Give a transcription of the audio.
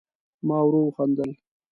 ما ورو وخندل